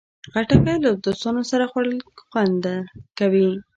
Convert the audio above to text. خټکی له دوستانو سره خوړل خوند کوي.